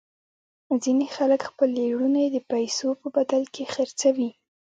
ځینې خلک خپلې لوڼې د پیسو په بدل کې خرڅوي.